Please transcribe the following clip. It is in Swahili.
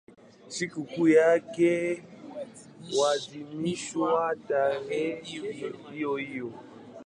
Sikukuu yake huadhimishwa tarehe hiyohiyo.